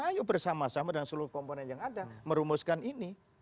ayo bersama sama dan seluruh komponen yang ada merumuskan ini